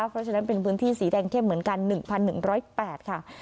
เพราะฉะนั้นเป็นพื้นที่สีแดงเข้มเหมือนกัน๑๑๐๘ค่ะ